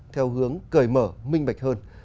theo hướng cởi mở minh bạch hơn